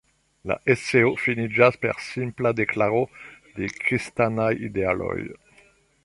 La eseo finiĝas per simpla deklaro de kristanaj idealoj.